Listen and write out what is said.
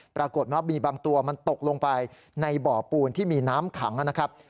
ปรากฏว่าบีบางตัวมันตกลงไปในบ่อปูนที่มีน้ำขังนะครับ